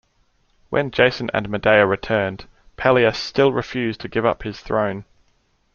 When Jason and Medea returned, Pelias still refused to give up his throne.